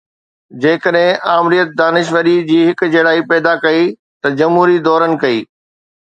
جيڪڏهن آمريت دانشوري جي هڪجهڙائي پيدا ڪئي ته جمهوري دورن ڪئي